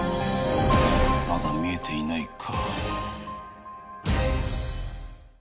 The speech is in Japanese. まだ見えていないか。